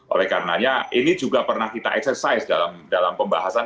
oleh karenanya ini juga pernah kita eksersis dalam pembahasan